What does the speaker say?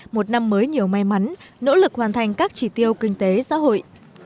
một năm mới nhiều may mắn nỗ lực hoàn thành các chỉ tiêu kinh tế xã hội